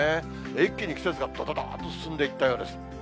一気に季節がどどどーっと進んでいったようです。